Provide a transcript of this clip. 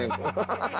ハハハハ！